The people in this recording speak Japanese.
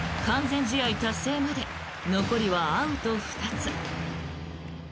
完全試合達成まで残りはアウト２つ。